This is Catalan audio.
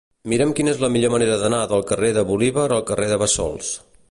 Mira'm quina és la millor manera d'anar del carrer de Bolívar al carrer de Bassols.